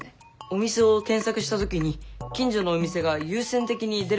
お店を検索した時に近所のお店が優先的に出ることもあるね。